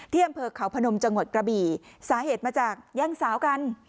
อำเภอเขาพนมจังหวัดกระบี่สาเหตุมาจากแย่งสาวกัน